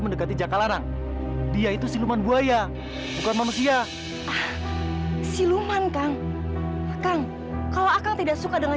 mendekati jakalanang dia itu siluman buaya bukan manusia siluman kang kang kalau aku tidak suka